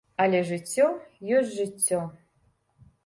Але жыццё ёсць жыццё.